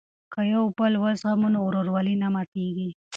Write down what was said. که یو بل وزغمو نو ورورولي نه ماتیږي.